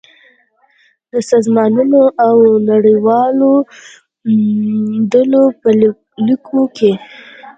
د سازمانونو او نړیوالو ډلو په ليکو کې